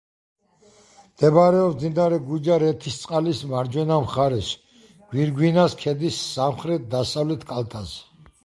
მდებარეობს მდინარე გუჯარეთისწყლის მარჯვენა მხარეს, გვირგვინას ქედის სამხრეთ–დასავლეთ კალთაზე.